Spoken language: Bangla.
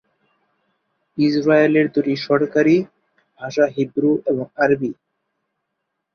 ইসরায়েলের দুটি সরকারি ভাষা হিব্রু এবং আরবি।